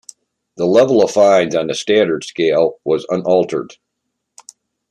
The level of fines on the standard scale was unaltered.